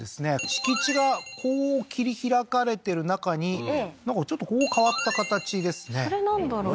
敷地がこう切り開かれてる中になんかちょっとここ変わった形ですねそれなんだろう？